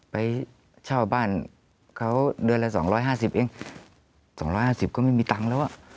ไปเช่าบ้านเขาเดือนละ๒๕๐เอง๒๕๐ก็ไม่มีตังค์แล้วอ่ะ